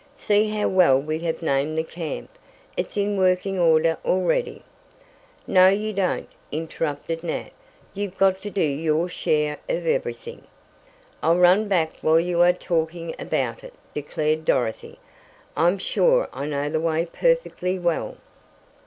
See how well we have named the camp. It's in working order already." "No you don't," interrupted Nat. "You've got to do your share of everything." "I'll run back while you are talking about it," declared Dorothy. "I'm sure I know the way perfectly well."